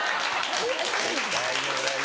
大丈夫大丈夫。